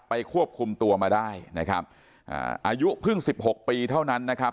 ควบคุมตัวมาได้นะครับอ่าอายุเพิ่งสิบหกปีเท่านั้นนะครับ